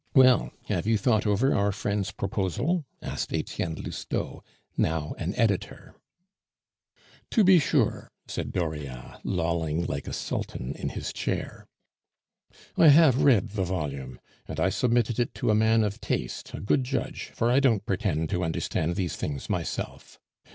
"Well, have you thought over our friend's proposal?" asked Etienne Lousteau, now an editor. "To be sure," said Dauriat, lolling like a sultan in his chair. "I have read the volume. And I submitted it to a man of taste, a good judge; for I don't pretend to understand these things myself.